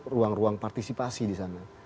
ruang ruang partisipasi di sana